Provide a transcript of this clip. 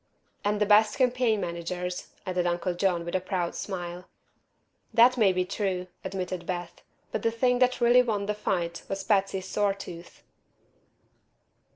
"And the best campaign managers," added Uncle John, with a proud smile. "That may be true," admitted Beth. "But the thing that really won the fight was Patsy's sore tooth."